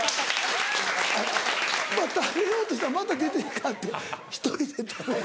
食べようとしたらまた出ていかはって１人で食べる。